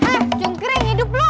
hah cungkring hidup lo